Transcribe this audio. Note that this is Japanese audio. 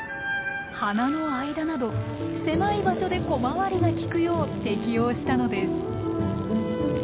花の間など狭い場所で小回りがきくよう適応したのです。